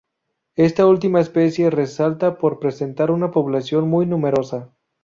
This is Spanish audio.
Esta última especie resalta por presentar una población muy numerosa.